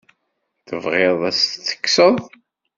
Tebɣiḍ ad t-tekkseḍ?